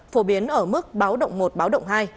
phổ biến ở mức báo động một báo động hai